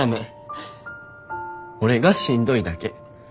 俺がしんどいだけ。